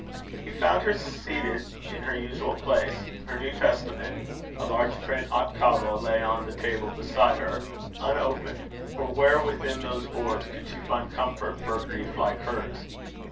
He found her seated in her usual place. Her New Testament, a large print octavo, lay on the table beside her unopened; for where within those boards could she find comfort for a grief like hers?